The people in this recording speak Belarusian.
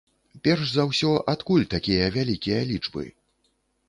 Перш за ўсё, адкуль такія вялікія лічбы?